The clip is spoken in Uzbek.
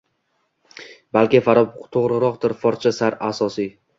Balki Farob to‘g‘riroqdir ; forscha-sar-asosiy.